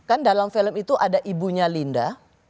kan dalam film itu ada ibunya linda